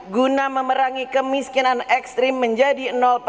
guna memerangi kemiskinan ekstrim menjadi